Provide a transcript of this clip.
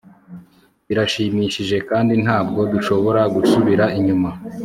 birashimishije kandi ntabwo dushobora gusubira inyuma